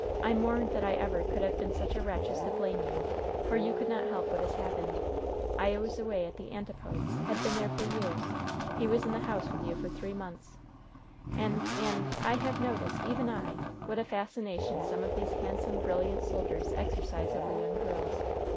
I mourn that I ever could have been such a wretch as to blame you, for you could not help what has happened. I was away at the antipodes had been there for years. He was in the house with you for three months. And and I have noticed even I what a fascination some of these handsome, brilliant soldiers exercise over young girls!